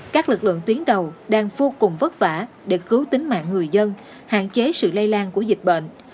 các lực lượng tuyến đầu đang vô cùng vất vả để cứu tính mạng người dân hạn chế sự lây lan của dịch bệnh